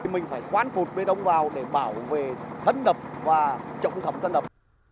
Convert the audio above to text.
mình phải quán phột bê đông vào để bảo vệ thân đập và trọng thập